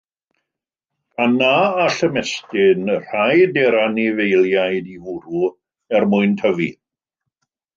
Gan nad all ymestyn, rhaid i'r anifeiliaid ei fwrw er mwyn tyfu.